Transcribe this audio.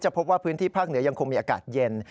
พบว่าพื้นที่ภาคเหนือยังคงมีอากาศเย็น